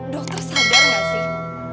dokter sabar gak sih